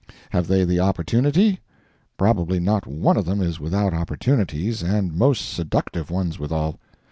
Have they the opportunity? Probably not one of them is without opportunities, and most seductive ones withal.